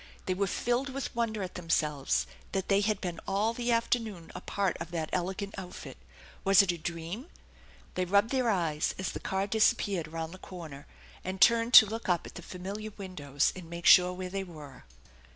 They were filled with wonder at themselves that they had been all the afternoon a part of that elegant outfit. Was it a dream ? They rubbed their eyes as the car disappeared around the 84 THE ENCHANTED BARN corner, and turned to look up at the familiar windows and make sure where they were.